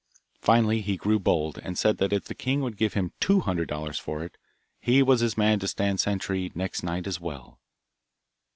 Finally he grew bold, and said that if the king would give him two hundred dollars for it, he was his man to stand sentry next night as well.